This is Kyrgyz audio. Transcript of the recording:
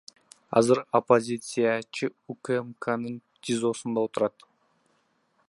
Азыр оппозициячы УКМКнын ТИЗОсунда отурат.